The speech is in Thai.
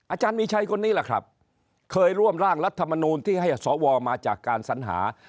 อาจารย์มีชัยคนนี้แหละครับเคยร่วมร่างรัฐมนูลที่ให้สวมาจากการสัญหา